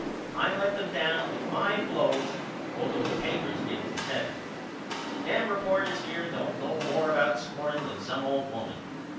I let them down with five blows all though the papers give them seven. Them reporters here don't no more about scoring than some old woman.